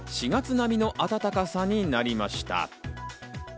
４月並みの暖かさになりました。